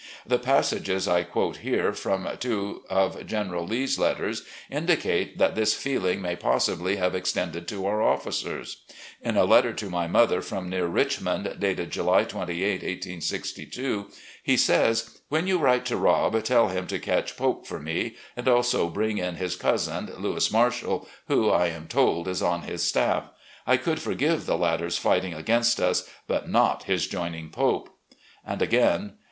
The passages I quote here from two of General Lee's letters indicate that this feeling may possibly have extended to our officers. In a letter to my mother, from near Richmond, dated Jtdy 28, 1862, he says: "... When you write to Rob, tell him to catch Pope for me, and also bring in his cousin, Louis Marshall, who, I am told, is on his staff. I could forgive the latter's fighting against us, but not his joining Pope." And again